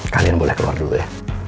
kalian boleh keluar dulu ya